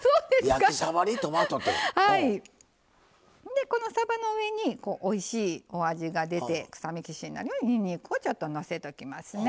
でこのさばの上においしいお味が出て臭み消しになるにんにくをちょっとのせときますね。